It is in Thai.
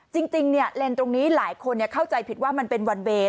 เลนส์ตรงนี้หลายคนเข้าใจผิดว่ามันเป็นวันเวย์